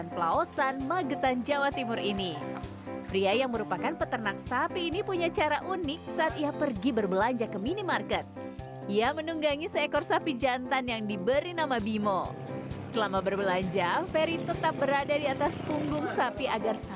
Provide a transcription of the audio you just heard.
ferry tidak kabur saat diparkir